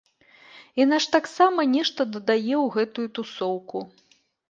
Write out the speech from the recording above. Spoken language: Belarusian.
І наш таксама нешта дадае ў гэтую тусоўку.